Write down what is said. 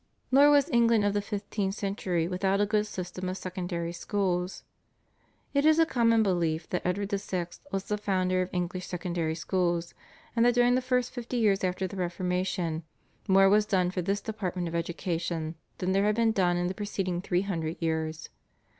Nor was England of the fifteenth century without a good system of secondary schools. It is a common belief that Edward VI. was the founder of English secondary colleges, and that during the first fifty years after the Reformation more was done for this department of education than had been done in the preceding three hundred years.